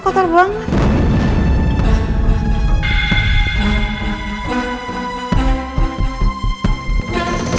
kamu kotor banget